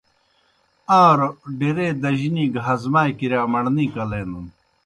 آن٘روْ ڈیرے دجنی گہ ہضمائے کِرِیا مڑنے کلینَن۔